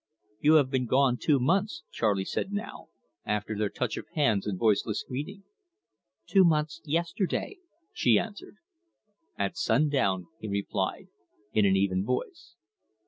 "You have been gone two months," Charley said now, after their touch of hands and voiceless greeting. "Two months yesterday," she answered. "At sundown," he replied, in an even voice.